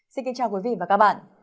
xin kính chào quý vị và các bạn